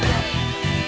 saya yang menang